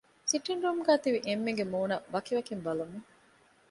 ސިޓިންގ ރޫމްގައި ތިބި އެންމެންގެ މޫނަށް ވަކިވަކިން ބަލަމުން